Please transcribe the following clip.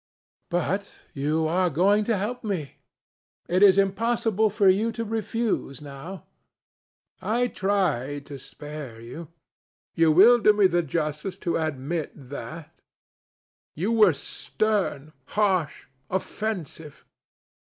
But you are going to help me. It is impossible for you to refuse now. I tried to spare you. You will do me the justice to admit that. You were stern, harsh, offensive.